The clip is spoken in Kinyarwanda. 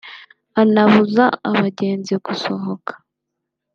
anabuza abagenzi gusohoka